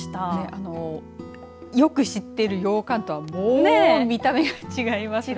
あのよく知ってるようかんとはもう見た目が違いますね。